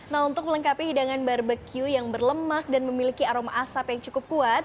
nah untuk melengkapi hidangan barbecue yang berlemak dan memiliki aroma asap yang cukup kuat